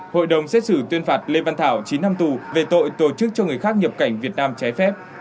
hội đồng xét xử tuyên phạt lê văn thảo chín năm tù về tội tổ chức cho người khác nhập cảnh việt nam trái phép